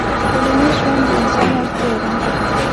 ټولنيز ژوند د انسان اړتيا ده